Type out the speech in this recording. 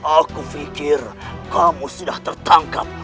aku pikir kamu sudah tertangkap